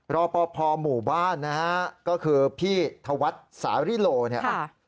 รอปภหมู่บ้านนะฮะก็คือพี่ธวัฒน์สาริโลเนี่ย